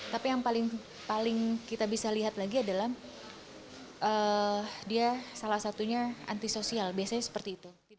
tapi yang paling kita bisa lihat lagi adalah dia salah satunya antisosial biasanya seperti itu